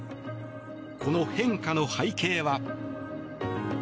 この変化の背景は。